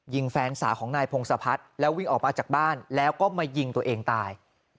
แฟนสาวของนายพงศพัฒน์แล้ววิ่งออกมาจากบ้านแล้วก็มายิงตัวเองตาย